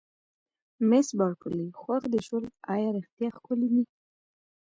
مس بارکلي: خوښ دې شول، ایا رښتیا ښکلي دي؟